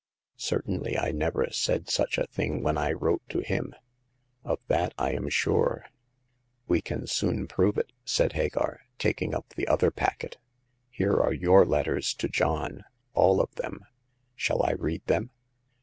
Certainly I never said such a thing when I wrote to him. Of that I am sure." We can soon prove it,'* said Hagar, taking up the other packet. Here are your letters to John—all of them. Shall I read them